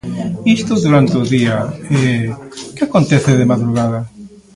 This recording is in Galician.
Isto durante o día e, que acontece de madrugada?